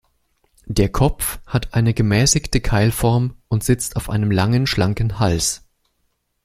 Der Kopf hat eine gemäßigte Keilform und sitzt auf einem langen schlanken Hals.